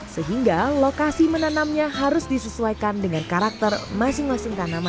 sehingga lokasi menanamnya harus disesuaikan dengan karakter masing masing tanaman